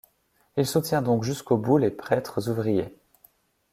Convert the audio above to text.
Il soutient donc jusqu'au bout les prêtres ouvriers.